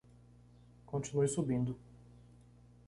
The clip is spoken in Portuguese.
Continue subindo